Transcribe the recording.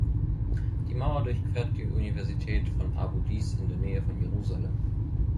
Die Mauer durchquert die Universität von Abu Dis in der Nähe von Jerusalem.